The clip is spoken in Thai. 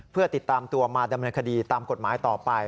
เพื่อติดตามตัวมาดำเนินคดีตามกฎหมายต่อไป